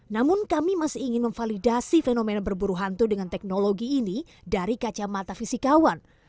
namun kami masih ingin memvalidasi fenomena berburu hantu dengan teknologi ini dari kacamata fisikawan